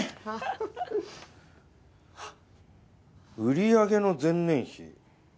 売り上げの前年比。